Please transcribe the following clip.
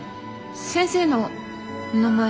先生のお名前。